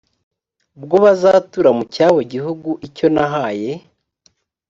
bwo bazatura mu cyabo gihugu icyo nahaye